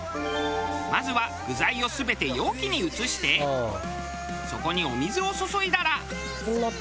まずは具材を全て容器に移してそこにお水を注いだら。